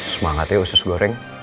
semangatnya usus goreng